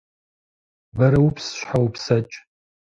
Бэрэупс щхьэ упсэкӏ!